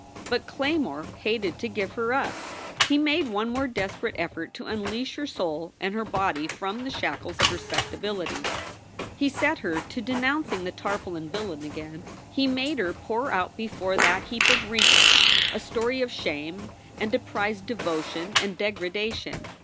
But Claymore hated to give her up. He made one more desperate effort to unleash her soul and her body from the shackles of respectability. He set her to denouncing the tarpaulin villain again. He made her pour out before that heap of wrinkles a story of 16 234 SOULS FOR SALE shame and disprized devotion and degradation.